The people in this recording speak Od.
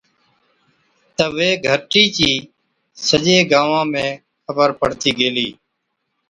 تہ وي گھَرٽِي چِي سجي گانوان ۾ خبر پڙتِي گيلِي۔